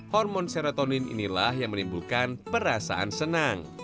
hormon serotonin inilah yang menimbulkan perasaan senang